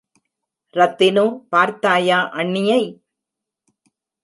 ரத்தினு, பார்த்தாயா அண்ணியை?